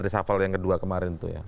reshuffle yang kedua kemarin itu ya